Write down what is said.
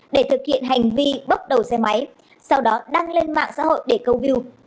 để thực hiện hành vi bốc đầu xe máy sau đó đăng lên mạng xã hội để câu view